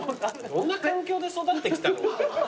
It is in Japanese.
どんな環境で育ってきたの？